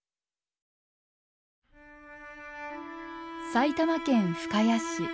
埼玉県深谷市。